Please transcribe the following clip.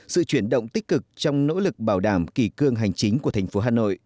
sự chuyển động tích cực trong nỗ lực bảo đảm kỳ cương hành chính của thành phố hà nội